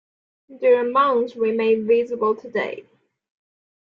Their mounds remain visible today.